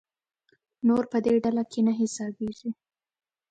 نور په دې ډله کې نه حسابېږي.